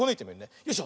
よいしょ。